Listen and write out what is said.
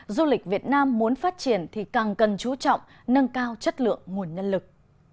du lịch việt nam muốn phát triển thì càng cần chú trọng nâng cao chất lượng nguồn nhân lực